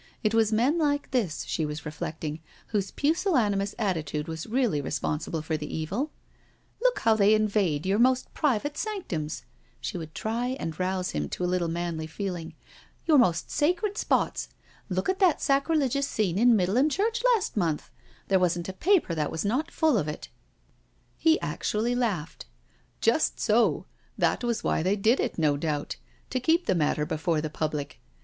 It was men like this, she was reflecting, whose pusillanimous attitude was really responsible for the evil. " Look how they invade your most private sanctums "— she would try an& rouse him to a little manly feeling—" your most sacred spots. Look at that sacrilegious scene in Middleham Churchyard last month I There wasn't a paper that was not full of it." 228 NO SURRENDER He actually laughed :" Just so — that was why they did it» no doubt—to keep, the matter before the public.